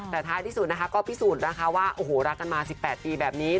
แต่ท้ายที่สุดนะคะก็พิสูจน์นะคะว่าโอ้โหรักกันมา๑๘ปีแบบนี้